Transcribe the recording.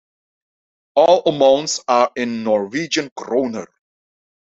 All amounts are in Norwegian kroner.